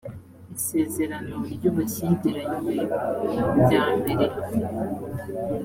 isezerano ry ubushyingiranywe rya mbere